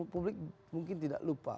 publik mungkin tidak lupa